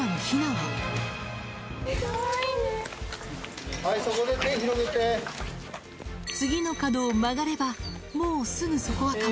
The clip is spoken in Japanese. はい、次の角を曲がれば、もうすぐそこは川。